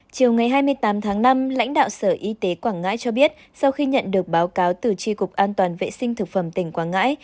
chiều ngày hai mươi tám tháng năm lãnh đạo sở y tế quảng ngãi cho biết sau khi nhận được báo cáo từ tri cục an toàn vệ sinh thực phẩm tỉnh quảng ngãi